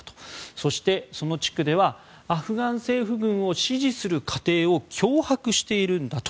そして、その地区ではアフガン政府軍を支持する家庭を脅迫しているんだと。